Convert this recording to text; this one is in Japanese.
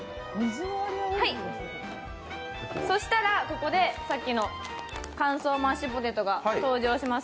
そしたらここでさっきの乾燥マッシュポテトが登場します。